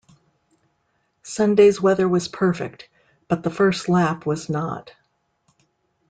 Sunday's weather was perfect, but the first lap was not.